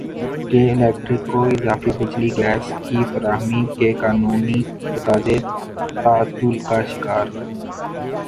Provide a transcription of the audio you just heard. کے الیکٹرک کو اضافی بجلی گیس کی فراہمی کے قانونی تقاضے تعطل کا شکار